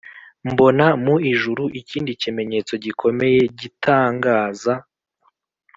Mbona mu ijuru ikindi kimenyetso gikomeye gitangaza